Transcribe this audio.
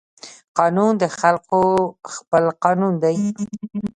قانون د خلقو خپل قانون دى.